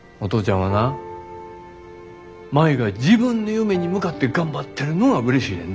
はな舞が自分の夢に向かって頑張ってるのがうれしいねんで。